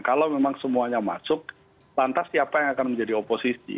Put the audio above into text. kalau memang semuanya masuk lantas siapa yang akan menjadi oposisi